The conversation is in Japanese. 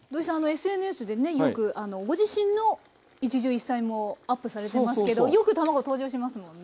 ＳＮＳでねよくご自身の一汁一菜もアップされてますけどよく卵登場しますもんね